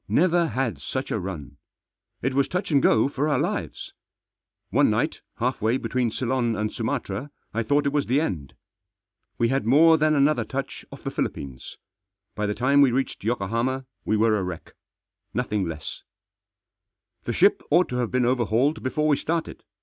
Never had such a run ! It was touch and go for our lives. One night, half way between Ceylon and Sumatra, I thought it was the end. We had more than another touch off the Philippines. By the time we reached Yokohama we were a wreck —nothing less. Digitized by LUKE'S SUGGESTION. 231 The ship ought to have been overhauled before we started.